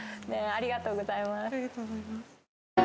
ありがとうございます。